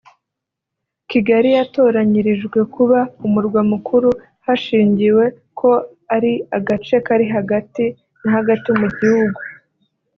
Kigali yatoranyirijwe kuba Umurwa Mukuru hashingiwe ko ari agace kari hagati na hagati mu gihugu